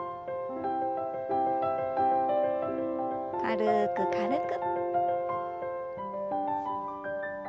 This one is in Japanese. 軽く軽く。